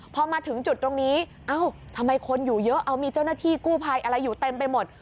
พอมาถึงจุดตรงนี้เอ้าทำไมคนอยู่เยอะเอามีเจ้าหน้าที่กู้ภัยอะไรอยู่เต็มไปหมด